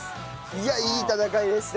いやいい戦いでした。